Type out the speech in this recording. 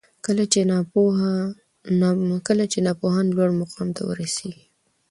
کله چي ناپوهان لوړ مقام ته ورسیږي